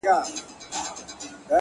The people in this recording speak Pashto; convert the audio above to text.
o د زړه لاسونه مو مات . مات سول پسي.